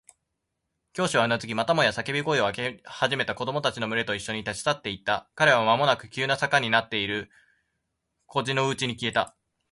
教師はうなずき、またもや叫び声を上げ始めた子供たちのむれといっしょに、立ち去っていった。彼らはまもなく急な坂になっている小路のうちに消えた。